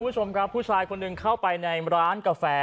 คุณผู้ชมครับผู้ชายคนหนึ่งเข้าไปในร้านกาแฟ